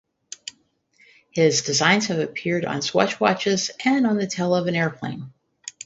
His designs have appeared on Swatch watches and the tail of an aeroplane.